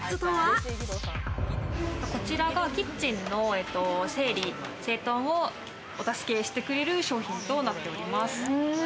こちらがキッチンの整理整頓をお助けしてくれる商品となっております。